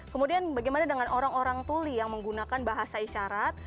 kemudian bagaimana dengan orang orang tuli yang menggunakan bahasa isyarat